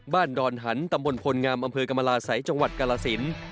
บ้านดอนหันตำบลพลงามอำเภอกำลาสัยจังหวัดกาลาศิลป์